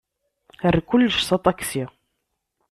Err kullec s aṭaksi.